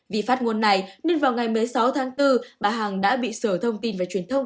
vì phát ngôn này nên vào ngày một mươi sáu tháng bốn bà hằng đã bị sở thông tin và truyền thông